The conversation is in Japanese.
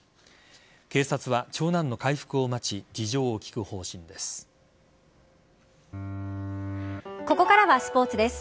警察は長男の回復を待ち事情を聴く方針です。